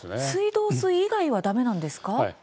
水道水以外はだめなんですか。